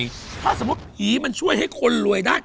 ถ้าสมมุติผีมันช่วยให้คนรวยได้